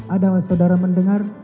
ada saudara mendengar